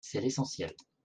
C’est l’essentiel